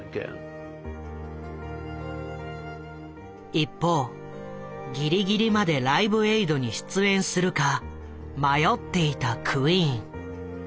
一方ギリギリまで「ライブエイド」に出演するか迷っていたクイーン。